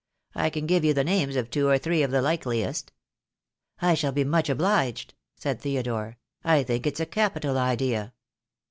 I can give you the names of two or three of the likeliest." "I shall be much obliged," said Theodore. "I think it's a capital idea."